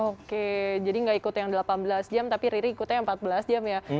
oke jadi nggak ikut yang delapan belas jam tapi riri ikutnya yang empat belas jam ya